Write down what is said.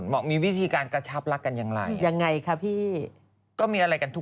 ไม่อึ้งก็ฟังรายละเอียดอยู่